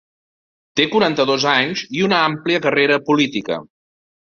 Té quaranta-dos anys i una àmplia carrera política.